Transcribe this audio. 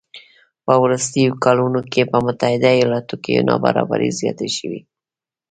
په وروستیو کلونو کې په متحده ایالاتو کې نابرابري زیاته شوې